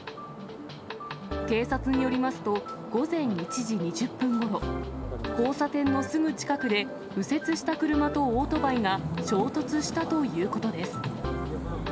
警察によりますと、午前１時２０分ごろ、交差点のすぐ近くで、右折した車とオートバイが衝突したということです。